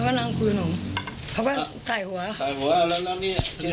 ตบหน้าครับเขารับว่าเขาเอาหวยไปค่ะ